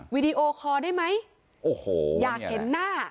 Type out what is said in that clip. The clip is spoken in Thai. วิดีโอคอร์ได้ไหมโอ้โหอยากเห็นหน้า